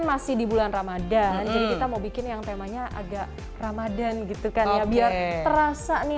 masih di bulan ramadhan jadi kita mau bikin yang temanya agak ramadhan gitu kan ya biar terasa nih